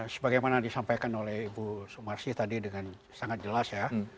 sebagaimana disampaikan oleh ibu sumarsi tadi dengan sangat jelas ya